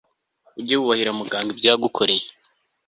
ujye wubahira muganga ibyo yagukoreye